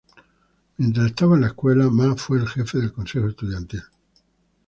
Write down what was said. Mientras estaba en la escuela, Ma fue el jefe del consejo estudiantil.